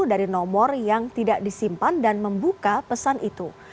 dari nomor yang tidak disimpan dan membuka pesan itu